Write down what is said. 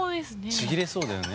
ちぎれそうだよね。